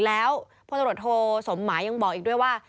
แล้วพลตรวจโทสมหมายยังบอกอีกด้วยว่า